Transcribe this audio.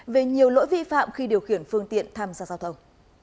về nhiều lỗi vi phạm khi điều khiển phương tiện tham gia giao thông